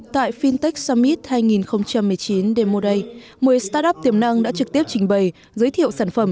tại fintech summit hai nghìn một mươi chín demo day một mươi start up tiềm năng đã trực tiếp trình bày giới thiệu sản phẩm